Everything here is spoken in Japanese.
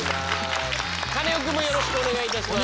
カネオくんもよろしくお願いいたします。